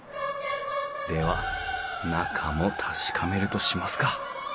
では中も確かめるとしますか。